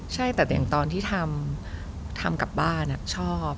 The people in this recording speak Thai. ใช่แต่ตอนที่ทำกลับบ้านนอะชอบ